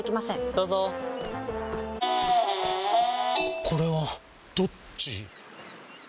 どうぞこれはどっち？